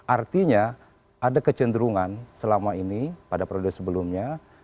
artinya ada kecenderungan selama ini pada periode sebelumnya